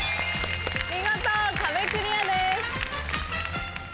見事壁クリアです。